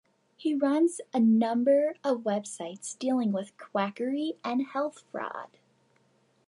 He runs a number of websites dealing with quackery and health fraud.